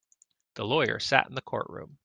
The lawyer sat in the courtroom.